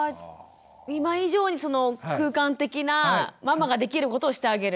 今以上にその空間的なママができることをしてあげる。